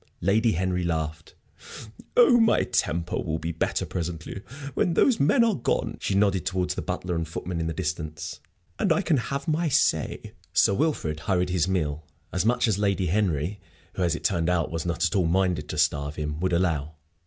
Lady Henry laughed. "Oh, my temper will be better presently, when those men are gone" she nodded towards the butler and footman in the distance "and I can have my say." Sir Wilfrid hurried his meal as much as Lady Henry who, as it turned out, was not at all minded to starve him would allow.